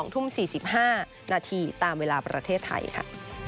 ๒ทุ่ม๔๕นาทีตามเวลาประเทศไทยค่ะ